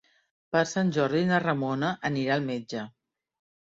Per Sant Jordi na Ramona anirà al metge.